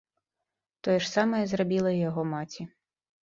Тое ж самае зрабіла і яго маці.